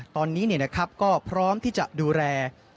ตอนนี้เนี่ยนะครับก็พร้อมที่จะดูแล